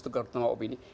tukar tambah opini